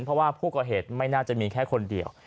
เพราะว่าผู้ก่อเหตุไม่น่าจะมีแค่คนเดียว